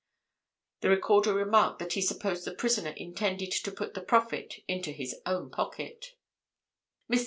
"The Recorder remarked that he supposed the prisoner intended to put the profit into his own pockets. "Mr.